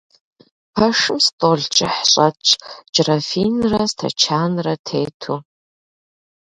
Пэшым стӀол кӀыхь щӀэтщ джырафинрэ стэчанрэ тету.